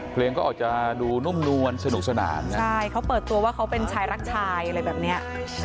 เพลงก็ออกจะดูนุ่มนวลสนุกสนานนะใช่เขาเปิดตัวว่าเขาเป็นชายรักชายอะไรแบบเนี้ย